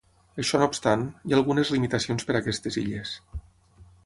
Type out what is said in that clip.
Això no obstant, hi ha algunes limitacions per aquestes illes.